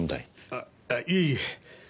あっいえいえ。